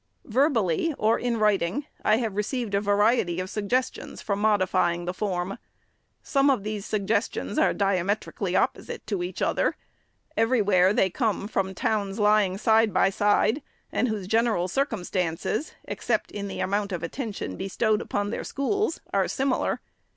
Verbally or in writing, I have received a variety of suggestions for modifying its form. Some of these suggestions are diametrically opposite to each other, even w'here they come from towns lying side by side, and whose general circumstances (except in the amount of attention bestowed upon their schools) are similar.